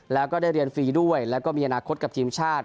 แล้วก็ได้เรียนฟรีด้วยแล้วก็มีอนาคตกับทีมชาติ